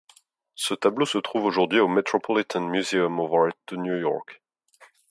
Ce tableau se trouve aujourd'hui au Metropolitan Museum of Art de New York.